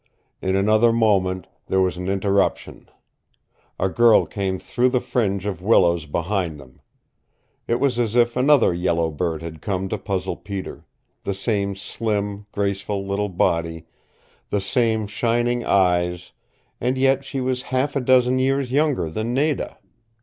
In another moment there was an interruption. A girl came through the fringe of willows behind them. It was as if another Yellow Bird had come to puzzle Peter the same slim, graceful little body, the same shining eyes, and yet she was half a dozen years younger than Nada.